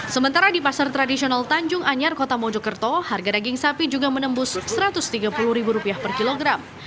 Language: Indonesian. sementara di pasar tradisional tanjung anyar kota mojokerto harga daging sapi juga menembus rp satu ratus tiga puluh per kilogram